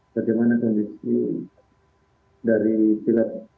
bagaimana kondisi dari